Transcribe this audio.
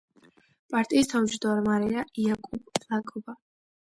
პარტიის თავმჯდომარეა იაკუბ ლაკობა.